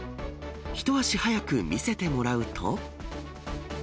一足早く見せてもらうと。